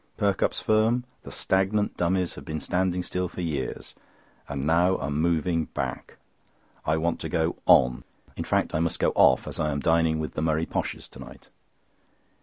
Perkupp's firm? The stagnant dummies have been standing still for years, and now are moving back. I want to go on. In fact I must go off, as I am dining with the Murray Poshs to night."